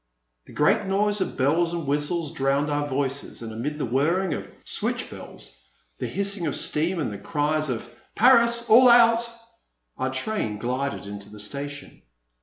A great noise of bells and whistles drowned our voices, and amid the whirring of switch bells, the hissing of steam, and the cries of Paris ! All out !" our train glided into the station.